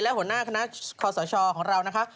และหัวหน้าคณะคอสชของเรานะคะ